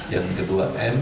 yang kedua m